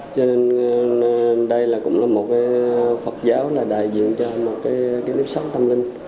cho nên đây cũng là một phật giáo là đại diện cho một cái nếp sóng tâm linh